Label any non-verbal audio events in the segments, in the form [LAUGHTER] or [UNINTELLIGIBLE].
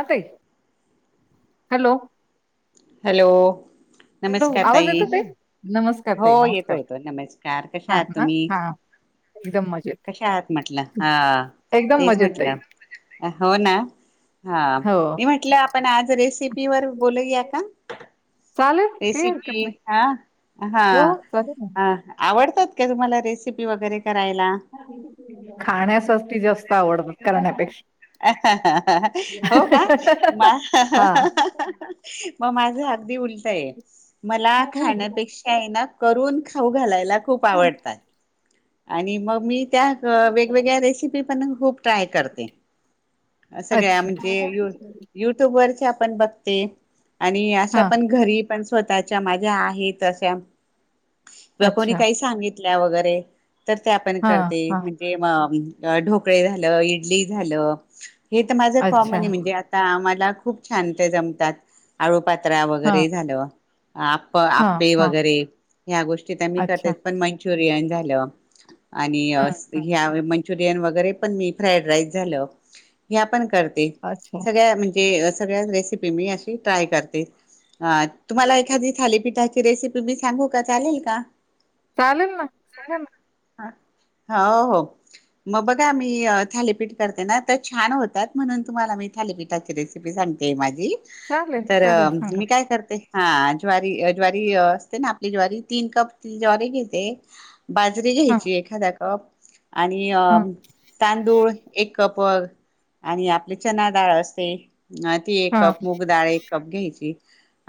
हा ताई. Hello, hello, hello नमस्कार आवाज ताई येतो नमस्कार हो ताई येतो नमस्कार येतो नमस्कार कशा हा आहात हा तुम्ही? हा एकदम मजेत कशा आहात म्हटलं? हा एकदम तेच मजेत म्हंटलं. ताई हो ना? हा हो मी म्हटलं आपण आज रेसिपीवरर बोलूया चालेल काही हरकत रेसिपी नाही. हा हा हो चालेल ह आवड येतात का तुम्हाला रेसिपी वगैरे करायला? खाण्यासाठी जास्त आवडत. करण्यापेक्षा. हो का? म हा माझ अगदी उलटय मला हम्म. खाण्यापेक्षा आहे ना करून खाऊ घालायला खूप आवडतात. आणि मग मी त्या वेगवेगळ्या रेसिपी पण खूप ट्राय करते. सगळ्या अच्छा म्हणजे यू युट्युब वर च्या पण बघते आणि अशा हा पण घरी पण स्वतःच्या माझ्या आहेत अशा. ब कोणी अच्छा काही सांगित तल्या वगैरे तर त्या पण हा करते हा म्हणजे म अ ढोकळे झालं, इडली झाल, हे तर माझं कॉमन अच्छा आहे. म्हणजे आता आम्हाला खूप छान ते जमतात. आळू पात त्र्या हा वगैरे झाल. आप हा आप्पे हा वगैरे ह्या गोष्टी तर मी अच्छा करतेेच पण मन चोरीयन झाल. आणि हम्म हम्म ह्या मन मंचुियन वगैेरे पण मी फ्राईड राईस झाल हे आपण करते अच्छा सगळ्या म्हणजे सगळ्यांच रेसिपी मी अशी ट्राय करते. हां हम्म. तुम्हाला हम्म. एखादी थालीपीठाची ची रेसिपी मी सांगू का? चालेल का? चालेल ना सांग ना. हो हो मगं बघा मी थालीपीठ करते ना तर छान होतात म्हणून तुम्हाला मी थालीपीठाची रेसिपी सांगते माझी चालेल तर चालेल सांगा मी काय करते हां ज्वारी ज्वारी असते ना ती ज्वारी तीन कप ती ज्वारी घेते बाजरी हा घ्यायची एखादा कप, कप. आणि हा तांदूळ, कपर आणि आपली चना डाळ असते. ह ती एक हा कप मूग डाळ एक कप घ्यायची.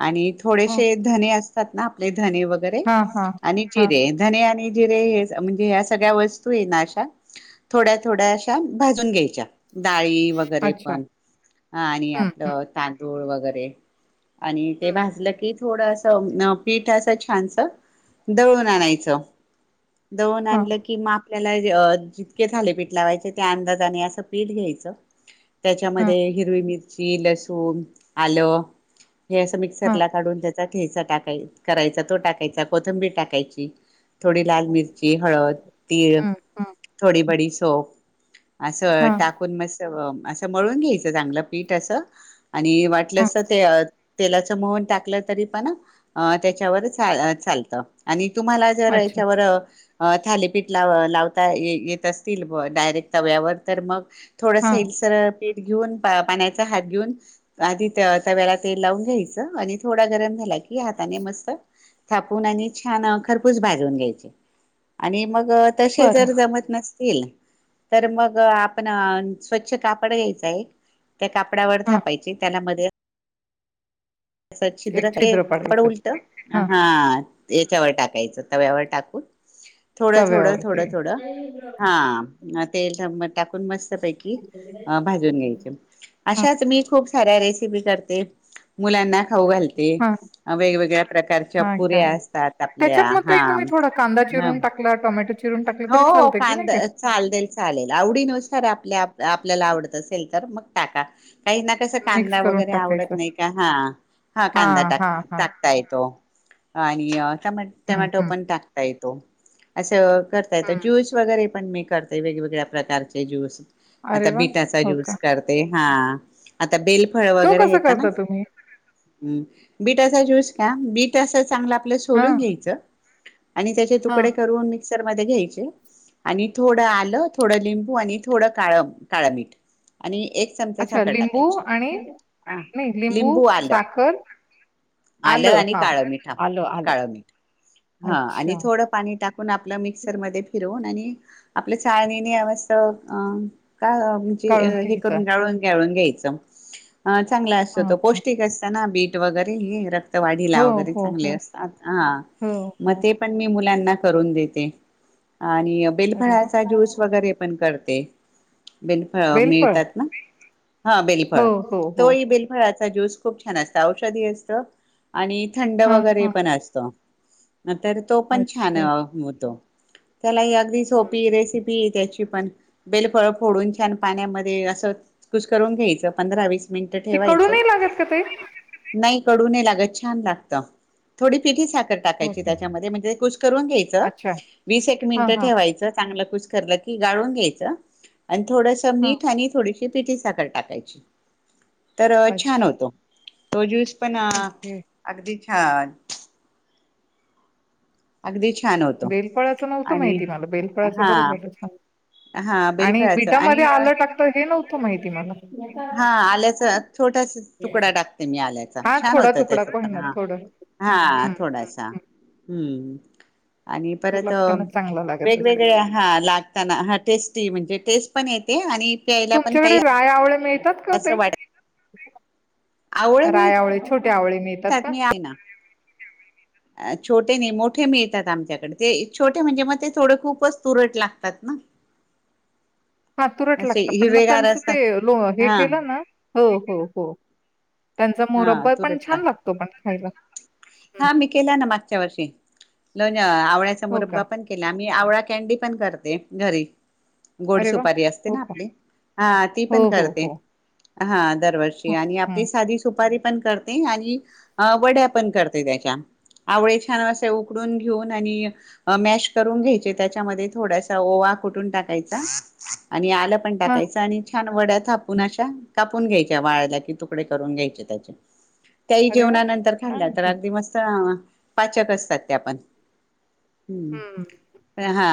आणि हा थोडेसे धने अस सत ना आपल्या हीत धने वगैरे हा आणि हा जिरे धने आणि जिरे म्हणजे ह सग्या वस्तू आहे ना अशा थोड्या थोड्या अशा भाजून घ्यायच्या, डाळी वगैरे अच्छा हम्म पण आणि हम्म आपलं तां गुळ वगैरे, आणि ते हं. भाजलं की, थोडसं पीठ असं छानस दळून आणायचं. दळुन हां, आणलं की मा त्याला जितके थालिपिठ लावायचे. त्या अंदाजाने असं पीठ घ्यायचं. हां, त्याच्यामध्ये हिरवी मिर मिरची, लसूण, आल, हे असं मिक्सर हां, ला काढून घ्यायचा टाकाय करायचा. तो टाकायचा कोथंबीर टाकायची. थोडी लाल मिरची हळद तीळ हं, हं. थोडी बडी तोफ असं हां, टाकून मस् असं मळून घ्यायचं चांगलं पीठ असं. आणि वाटलं हां. अस ते तेलाचं मोहन टाकलं तरी पण अ त्याच्यावर चा चालतं आणि तुम्हाला जर अच्छा. याच्यावर थालीपीठ ला लावता ये येत असतील ब डायरेक्ट तव्यावर तर मग. थोडस हां, एक सर पीठ घेऊन. पाण्याचा हात घेऊन, आधी तव्याला तेल लावून घ्यायच आणि थोडा गरम झाला की, हाताने मस्त थापून आणि छान खरपूस भाजून घ्यायचे आणि मग त तसे बरं. जर जमत नसतील! तर मग आपण स्वच्छ कापड घ्यायचंय त्या कापडावर हां, थापायची त्यालामध्ये स छिद्र एक के कड पाडायचं. उलट हां, हा याच्यावर टाक [UNINTELLIGIBLE] यच तव्यावर टाकून, थोडं थोडं तव्यावरती. थोडं थोडं हा. तेल टाकून मस्त! भाजायची अ भाजून घ्याय हां, अशाच मी खूप, खऱ रेसिपी करते मुलाना खाऊ घालते, हां, वेगवेगळ्या प्रकारच्या हां का. पुऱ्या असतात आपल्या त्याच्यात मग ताई हा तुम्ही थोडा कांदा ह चिरून टाकला, टोमॅटो चिरून टाकले हो तरी हो चालतं की नाही कांदा का? चाल देल चालेल आवडी नुसार आपल्या आप आपल्याला आवडत असेल तर मग टाका. काही ना कसं मिक्स कांदा करून वगैरे आवडत टाकायचं. नाही, का हा हा कांदा हां, टाक हां, हां. टाकता येतो. ह नि हं, टमॅटो हं. पण टाकतायेत. [UNINTELLIGIBLE] त अच तर करताय हं. ज्यूस वगैरे पण म करते. वेगवेगळ्या प्रकारचे ज्यूस अरे आता वाह! बिटाचा हो ज्यूस का. करते. हा ता बेलफळ तो वगैरे कसा येत ना करता तुम्ही? ह बीटाचा ज्यूस का बीट असा चांगला सून हां, घ्यायच आणि त्याचे हां. तुकडे करून म सर मध्ये घ्यायचे आणि थोडं आलं थोडं लिंबू आणि थोडं काळ काळ मीठ आणि एक चमचा अच्छा साखर लिंबू टाकायची आणि नाही लिंबू आलं साखर, आलं आणि काळं मिठ आलं, आलं. काळं मठ हा आणि अच्छा. थोडं पाणी टाकून आप मिक्सर मध्ये फि आणि आपल्या चाळ का म्हणजे गाळून हे घ्यायचं. करून गाळून गाळून घ्यायच अ चांगला असतो हां, तो हां. पौष्टिक असताना बीट वगैर ही रक् हो, वाढीला वगैरे हो, चांगले हो. असतात हा हो, मग हो. ते पण मी मुलांना करून देत ते आणि अरे बेलफळ्याचा ज्यूस वाह! वगैरे पण करत तेे बेनफ बेलफळ? मिळतात ना हा हो, बिलफळ हो, हो. तोळी बिलफळाचा ज्यूस खूप छान असतं औषधी असत आणि थंड हां, वगैरे हां. पण असतो तर तो पण छान अच्छा. तो त्याला ही अगदी हं. सोपी रेसिपी त्याची पण बेलफळ फोडून छान पाण्यामध्ये असं कु करून घ्यायचं पंधरा वस ते कडूनही लागत का ते ला थ हो टाकायची का? त्याच्यामध्ये म्हणजे ते कुस करून घ्यायचं अच्छा. वीस एक हां, मिनिटं हां, ठेवायचं चांगलं कुसकरलं की गाळून घ्यायचं. आणि थोडसं हां. मीठ आणि थोडीशी पिटी साखर टाकायची. तर छान अच्छा. होतो. तो ज्यस - - पण ओके. अगदी - - छान अगदीच - - बेलपाळाचं नव्हतं माहिती मला. बेलपाळाचं हा बरं झालं सांग - हा - आणि बेलफळाचं बिटामध्ये आलं टाकतं हे नव्हतं माहिती मला. हा आल्याचा छोटासा तुकडा टाकते मी आल्याचा हां, छान थोडा होत त्या तुकडा का सुण होईना हा थोडं. हा हं, हं, थोडासा हं. हम्म. आणि तो परत लागताना चांगला लागत असेल. वेगवेगळे हा लागताना हा टेस्टी म्हणजे टेस्ट - - पण येते आणि - - तुमच्याकडे रायआवळे- - मिळतात का असं ते? वाट रायावळे छोट- - त मी आहे ना अ - - छोटे नाही मोठे मिळतात आमच्याकडे ते छोटे म्हणजे मग ते थोडे खूपच तुरट लागतात ना. हा तुरट असे लागत पण मग हिरवेगार त्यांचं असतात ते लो हे हा केलं ना हो हो हो. त्यांचा हा मोरब्बर पण तुरटला छान लागतो. पण खायला. हा. हं. मी केला ना मागच्या वर्षी - - लनी - - आवळ्याचा हो मुरब्बा का? पण केला आम्ही आव - - कॅनडी पण करते घरी. गोड अरे वाह! सुपारी असते हो ना का? आपली हा ती पण हो, हो, करते हो. हा दरवर्षी हं, आणि आपली हं. साधी सुपारी - - पण करते आणि वड्या पण करते. [UNINTELLIGIBLE] आवळे छान अस उकडून घेऊन आणि मॅश करून घ्यायचे त्याच्यामध्ये थोडासा ओवा कुूटून टाकायचा आणि - - आलं पण हां, टाकायच आणि - - छान वड्या थापून अशा कापून घ्यायच्या वाळला कि तुकडे करून घ्यायचे त्याचे - - त्याही अरे वाह! जेवणानंतर छान खाल्ल्यात - - आहे तर की. अगदी मस्त - - पाचक असतात त्यापण - - हम्म हं. प हा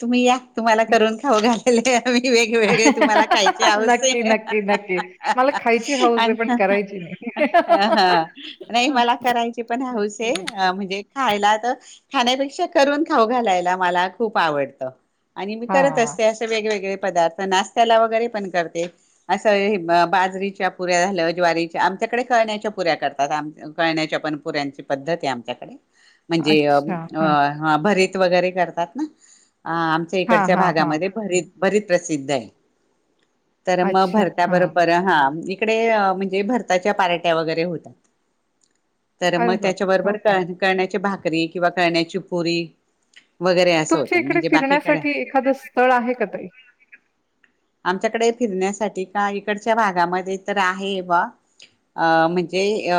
तुम्ही या. तुम्हाला हं. करून खाऊ घाल. घालते. मी वेगवेगळे तुम्हाला खायचे आवसे नक्की, नक्की, नक्की. मला खायची हौस आहे पण करायची नाही. नाही हं, मला. करायची पण हाऊस नक्की, नक्की. म्हणजे खायला तर. खाण्यापेक्षा करून खाऊ घालायला मला खूप आवडतं. आणि मी करत हां, असते असे वेगळेवेगळे. पदार्थ नाश्ता ला वगैरे पण करते असं बाजरीच्या पुऱ्या झालं ज्वारीच्या आमच्याकडे कळण्याच्या पुऱ्या करतात कळण्याच्या पनपुऱ्यांची पद्धत आहे आमच्याकडे. म्हणजे अच्छा. हां, भर वगैरे करतात ना. अ आमच्या हां, इकडच्या हां, हां. भागामध्ये भरी बरी प्रसिद्ध आहे. तर मग अच्छा. भरत्या हां. बरोबर हा. इडे म्हणजे भरताच्या पारट्या वगैरे होतात. तर मग अरे बापरे! हो त्याच्याबरोबर का? करण्याचे भाग. किंवा करण्याची पुरी. वगैरे असं होत तुमच्या इकडे म्हणजे बाकीकडे फिरण्यासाठी एखादं स्थळ आहे का ताई? आमच्याकडे फिरण्यासाठी. का इकडच्या भागामध्ये तर आहे बा अ म्हणजे अ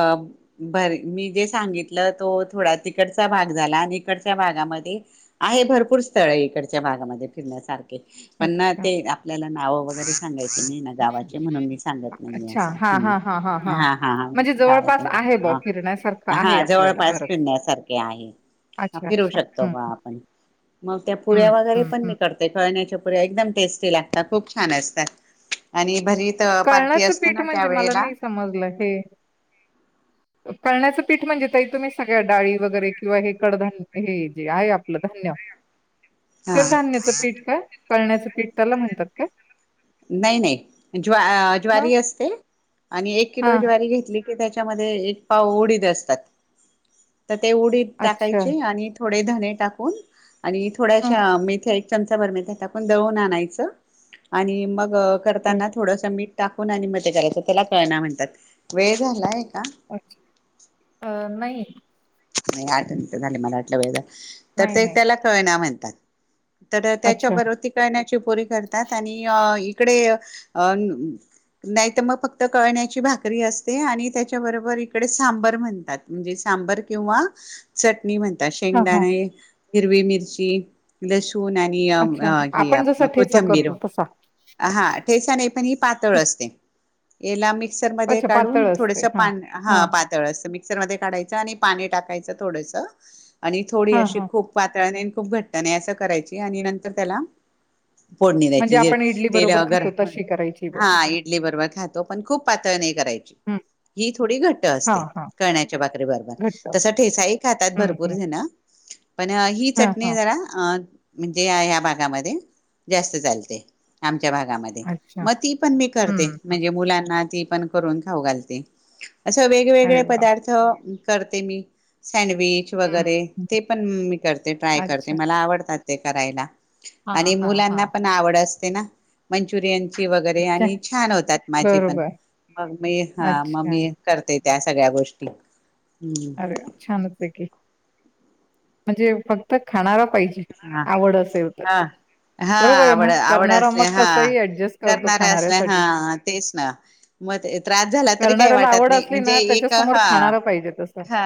बर. मी जे सांगितलं तो थोडा तिकडचा भाग झाला आणि इकडच्या भागामध्ये आहे भरपूर स्थळ इकडच्या भागामध्ये फिरण्यासारखे. पण ना अच्छा. ते आपल्याला. नाव वगैरे सांगाचं. गावाचे म्हणून मी सांगत नाही अच्छा हां, असं हां, हां, हां, हां. ह हा म्हणजे गावाचे जवळपास आहे बुवा नाव. फिरण्यासारखं आहे हा आपल्याला जवळपास बरंच. फिरण्यासारखे आहे अच्छा, फिरू अच्छा. शकतो हं, बा आपण मग त्या हं, पुऱ्या वगैरे हं, पण मी हं. करते खेळण्याच्या. पुऱ्या एकदम टेस्टी लागतात खूप छान लागतात आणि भर कळण्याचं पीठ म्हणजे मला नाही समजलं हे. करळण्याचं पीठ म्हणजे तई तुम्ही सगळ्या डाळी वगैरे किंवा हे कडधन्य हे जे आहे आपलं धन्य. हा तर धान्याचं पीठ काय. कळण्याचं पीठ त्याला म्हणतात का? नाही नाही. ज् ज्वारी मग? असते आणि एक किलो हां, ज्वारी घेतली. त्याच्यामध्ये एक पाव उडीत असतात. तर ते उडी अच्छा. टाकायचे आणि थोडी डे धणे टाकून आणि हां, थोड्याशा मेथे चमचा भर त्याकून दळून आणायचं आणि मग करताना थोडंसं मीठ टाकून आणि मते करायचं त्याला कळना म्हणतात वेळ झालाय का? अ नाही नाही आठ झा मला आठला वेळे तर नाही, ते नाही. त्याला कळणार म्हण ठात तर अच्छा. त्याच्याबरोती करण्या री करतात आणि इकडे नाहीत मग फक्त कळण्याची भाकरी असते आणि त्याच्याबरोबर इकडे सांबर म्हणतात म्हणजे सांबर किंवा ट म म्हणता हां, हां. शेंगदाणे हिरवी मिर्ची लक्ष ून आणि अच्छा. आपण जसा ठेचा कोथिंबीर करतो तसा. हा ठेसाने पण ह पातळ असते एला मे मिक्सर मध्ये अच्छा पातळ काढून असते. थोडस हां, हा हां, पातळ म र मध्ये काढायचा आणि पाणी टाकायचं थोडस आणि थोडी हां, अशी हां. खूप पातळाने खूप घट्ट नाही असं करायची आणि नंतर त्याला फोडणी म्हणजे द्यायची ज आपण इडली तेला बरोबर अगर खातो तशी करायची बुवा. हा इडली बरोबर खातो पण खूप पातळ नाही करायची हं, ही थोडी घट्ट हां, असते हां. कळण्याच्या बाकरी बरोबर. घट्ट. तस ठेसाही खातात हं, भरपूर हं. जण पण ही हां, चटणी हां. जरा अ म्हणजे या भागामध्ये जास्त चालते आम भागामध्ये अच्छा. मग ती पण मी करते हं, हं. म्हणजे मुलांना ती पण करून खाऊ घालते असं अरे वेगवेगळे वाह! पदार्थ करते मी सँडविच हं, वगैरे हं. ते पण मी करते ट्राय करते अच्छा. मला आवडतात. ते करायला आणि हां, हां, मुलांना हां. पण आवड असते. ना मंचुरयन वगैरे छा आणि छान होतात माझे पण बरोबर. मग मी हा अच्छा. मम्मी करते. त्या सगळ्या गोष्टी हम्म अरे छानते की म्हणजे फक्त खाणार हा हा हा बरोबर आहे ना? आवड आवड करणारा असल्या मग हा कसंही अॅडजस्ट करतो करणार असल्या खाणाऱ्यासाठी. हा तेच ना मग त्रास झाला तरी काही करणाऱ्याला वाटत आवड नाही असली म्हणजे ना एक त्याच्यासमोर हा खाणारा पाहिजे तसं. हा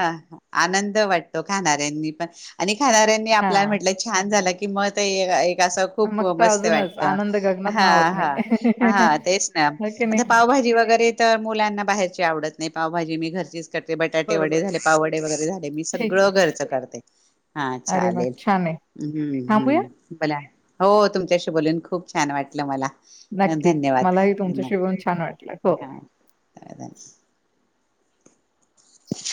आनंद वाटतो खाणाऱ्यांनी पण आणि खाणाऱ्यांनी हां. आपल्याला झाला की मग ते खूप मग तर मस्त अजूनच वाटत आनंद ह गगनात मावत नाही. हा ह तेच ना हो की आता नाही? पावभाजी वगैरे तर मुलांना बाहेरची आवडत नाही पावभाजी मी घ [UNINTELLIGIBLE] ते बटाटे वडे बरोबर. झाले पावडे वगैरे झाले मी ठीक आहे. सगळं घरच करते हा अरे वाह! चालेल.. छान आहे. थांबूया? [UNINTELLIGIBLE] हो तुमच्याशी बोलून खूप छान वाटलं मला नक्कीच धन्यवाद मला ही तुमच्याशी नक्की बोलून छान वाटलं, हो. हा धन्य [UNINTELLIGIBLE]